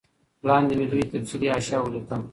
لاندي مي لوی تفصیلي حاشیه ولیکل